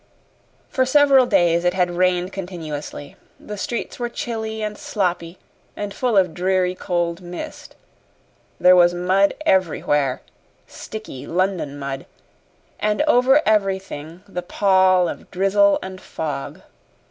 For several days it had rained continuously; the streets were chilly and sloppy and full of dreary, cold mist; there was mud everywhere sticky London mud and over everything the pall of drizzle and fog.